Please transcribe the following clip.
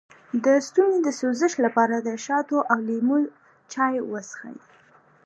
د ستوني د سوزش لپاره د شاتو او لیمو چای وڅښئ